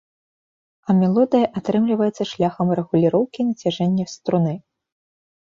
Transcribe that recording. А мелодыя атрымліваецца шляхам рэгуліроўкі нацяжэння струны.